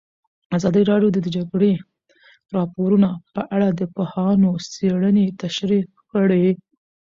ازادي راډیو د د جګړې راپورونه په اړه د پوهانو څېړنې تشریح کړې.